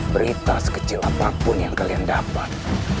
berita sekecil apapun yang kalian dapat